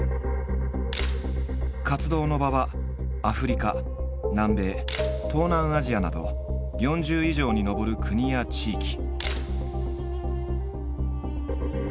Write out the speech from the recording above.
活動の場はアフリカ南米東南アジアなど４０以上に上る国や地域。